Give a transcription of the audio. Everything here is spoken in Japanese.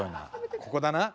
ここだな？